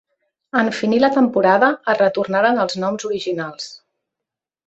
En finir la temporada es retornaren als noms originals.